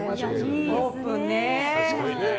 オープンね。